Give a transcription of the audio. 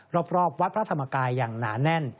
รอบวัดพระธรรมกายอย่างหนาแน่น